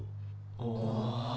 ああ？